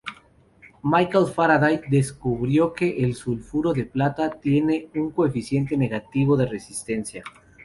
Michael Faraday descubrió que el sulfuro de plata tiene un coeficiente negativo de resistencia.